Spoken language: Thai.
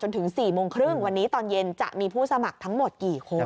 ถึง๔โมงครึ่งวันนี้ตอนเย็นจะมีผู้สมัครทั้งหมดกี่คน